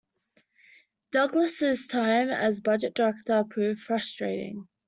Douglas's time as budget director proved frustrating.